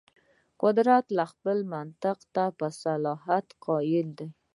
قدرت خپلو منطق ته په اصالت قایل دی.